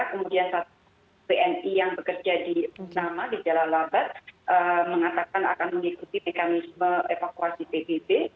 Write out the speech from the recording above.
kemudian satu wni yang bekerja di nama di jalan laba mengatakan akan mengikuti mekanisme evakuasi pbb